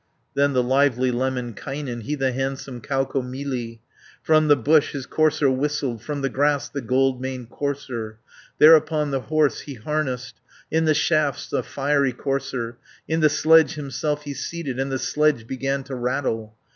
Then the lively Lemminkainen, He the handsome Kaukomieli, From the bush his courser whistled, From the grass, the gold maned courser. 300 Thereupon the horse he harnessed, In the shafts the fiery courser, In the sledge himself he seated, And the sledge began to rattle.